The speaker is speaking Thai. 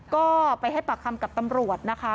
ก็ไปให้ปากคำกับตำรวจนะคะ